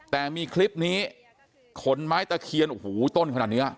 แต่มีคลิปนี้ขนไม้ตะเคียนโอ้โหต้นขนาดนี้